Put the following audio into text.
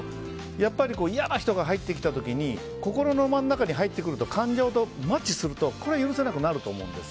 嫌な人が入ってきた時に心の真ん中に入ってくると感情とマッチすると許せなくなると思うんです。